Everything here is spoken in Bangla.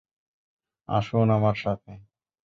আসুন আমার সাথে।